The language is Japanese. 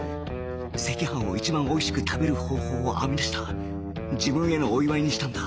赤飯を一番おいしく食べる方法を編み出した自分へのお祝いにしたんだ